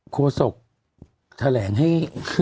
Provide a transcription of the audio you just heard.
ครัวศกแทะแหลงให้